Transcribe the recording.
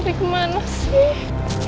putri kemana sih